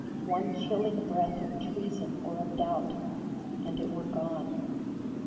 One chilling breath of treason or of doubt And it were gone !